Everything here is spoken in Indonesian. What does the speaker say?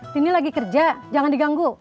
tini lagi kerja jangan diganggu